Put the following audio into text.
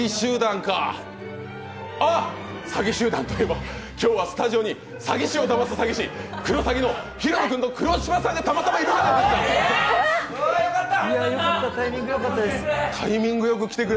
あっ、詐欺集団といえば今日はスタジオに詐欺師をだます詐欺師「クロサギ」の平野君と黒島さんが来てる。